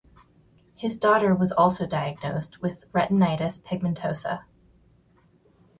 His daughter was also diagnosed with retinitis pigmentosa.